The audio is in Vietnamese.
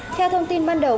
theo thông tin ban đầu